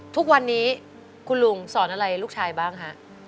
ทุกวันนี้คุณลุงสอนอะไรลูกชายบ้างฮะ